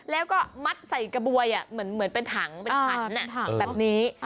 แล้วก็มัดใส่กระบวยเหมือนเป็นถังเป็นฉันแบบนี้